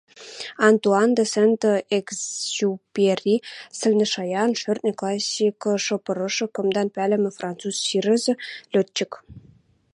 Антуан де Сент-Экзюпери — сӹлнӹшаян «шӧртньӹ классикыш» пырышы, кымдан пӓлӹмӹ француз сирӹзӹ, летчик.